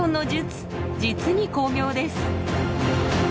実に巧妙です。